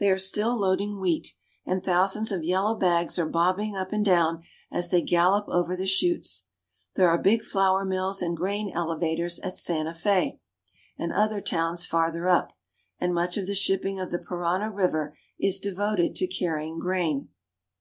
They are still loading wheat, and thousands of yellow bags are bobbing up and down as they gallop over the chutes. There are big flour mills and grain elevators at HEART OF SOUTH AMERICA. 213 Santa Fe and other towns farther up, and much of the shipping of the Parana river is devoted to carrying grain.